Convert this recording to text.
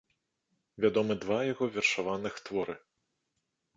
Вядомы два яго вершаваных творы.